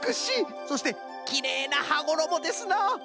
そしてきれいなはごろもですな。